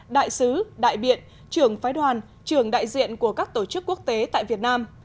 đại sứ đại biện trưởng phái đoàn trưởng đại diện của các tổ chức quốc tế tại việt nam